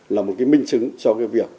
là một minh chứng cho việc